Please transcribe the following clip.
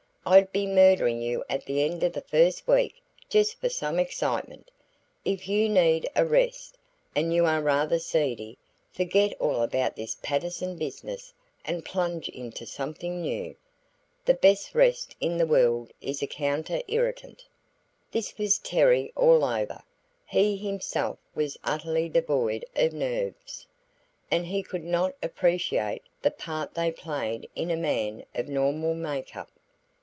I'd be murdering you at the end of the first week just for some excitement. If you need a rest and you are rather seedy forget all about this Patterson business and plunge into something new. The best rest in the world is a counter irritant." This was Terry all over; he himself was utterly devoid of nerves, and he could not appreciate the part they played in a man of normal make up.